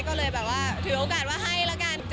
ก็เลยแบบว่าถือโอกาสว่าให้ละกัน